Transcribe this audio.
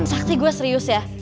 sakti gue serius ya